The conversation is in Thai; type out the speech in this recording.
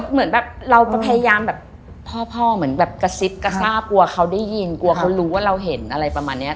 เหมือนแบบเราพยายามแบบพ่อพ่อเหมือนแบบกระซิบกระซาบกลัวเขาได้ยินกลัวเขารู้ว่าเราเห็นอะไรประมาณนี้